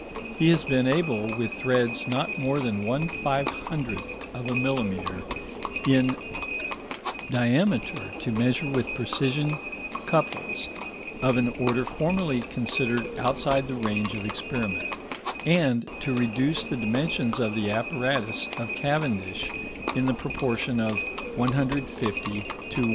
He has been able, with threads not more than 1/500 of a millimetre in diameter, to measure with precision couples of an order formerly considered outside the range of experiment, and to reduce the dimensions of the apparatus of Cavendish in the proportion of 150 to 1.